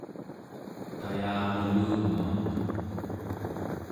tayarulunguaq